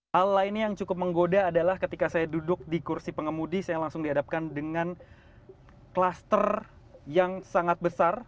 hal lainnya yang cukup menggoda adalah ketika saya duduk di kursi pengemudi saya langsung dihadapkan dengan kluster yang sangat besar